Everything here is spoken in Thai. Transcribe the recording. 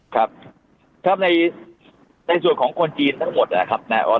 ครับครับในในส่วนของคนจีนทั้งหมดอ่ะครับนะอ่า